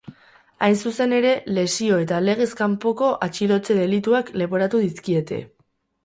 Hain zuzen ere, lesio eta legez kanpoko atxilotze delituak leporatu dizkiete.